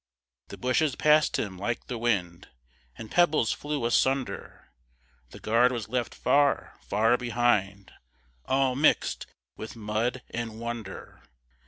The bushes pass'd him like the wind, And pebbles flew asunder, The guard was left far, far behind, All mix'd with mud and wonder.